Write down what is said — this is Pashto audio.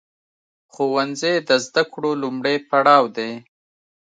ښوونځی د زده کړو لومړی پړاو دی.